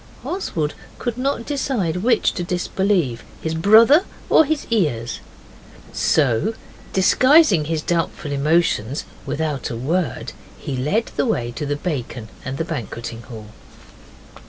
Oswald could not decide which to disbelieve his brother or his ears. So, disguising his doubtful emotions without a word, he led the way to the bacon and the banqueting hall.